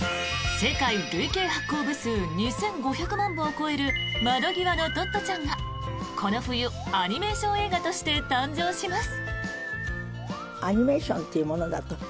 世界累計発行部数２５００万部を超える「窓ぎわのトットちゃん」がこの冬アニメーション映画として誕生します！